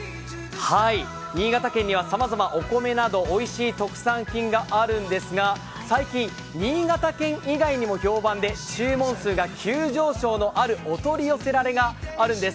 新潟県にはさまざまお米などおいしい特産品があるんですが、最近、新潟県以外にも評判で注文数が急上昇のあるお取り寄せられがあるんです。